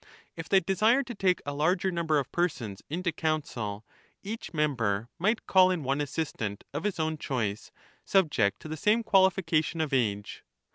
If they desired to take a larger number of persons into counsel, each member might call in one assistant of his own choice, subject to the same qualification of age.